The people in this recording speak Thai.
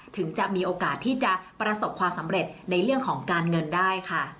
ถึงจะมีโอกาสที่จะประสบความสำเร็จในเรื่องของการเงินได้ค่ะ